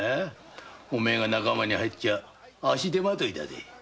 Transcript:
お前が仲間に入っちゃ足手まといだぜ。